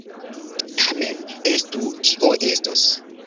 Tamen estu, kio estos!